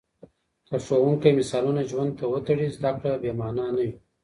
که ښوونکی مثالونه ژوند ته وتړي، زده کړه بې مانا نه وي.